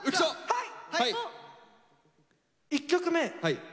はい！